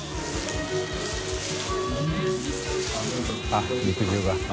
あっ肉汁が。